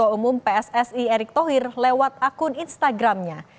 ketua umum pssi erick thohir lewat akun instagramnya